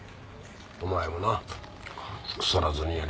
お前もな腐らずにやれ。